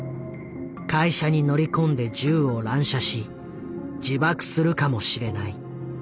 会社に乗り込んで銃を乱射し自爆するかもしれない。